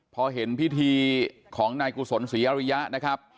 พอเห็นพิธีของนายกุศลศรีอริยะนะครับ